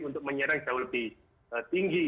untuk menyerang jauh lebih tinggi